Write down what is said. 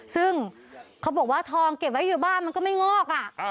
ซึ่งเขาบอกว่าทองเก็บไว้อยู่บ้านมันก็ไม่งอก